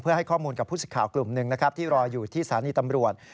ให้ข้อมูลกับผู้สิทธิ์กลุ่มหนึ่งนะครับที่รออยู่ที่สถานีตำรวจ